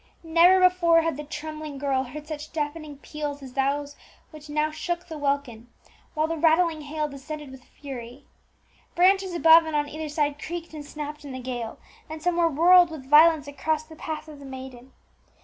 Never before had the trembling girl heard such deafening peals as those which now shook the welkin, while the rattling hail descended with fury. Branches above and on either side creaked and snapped in the gale, and some were whirled with violence across the path of the maiden.